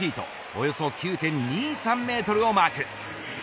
およそ９．２３メートルをマーク。